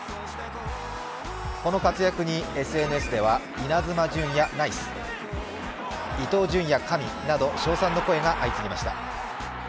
この活躍にＳＮＳではイナズマ純也ナイス、伊東純也、神！など賞賛の声が相次ぎました。